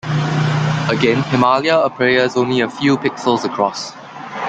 Again, Himalia appears only a few pixels across.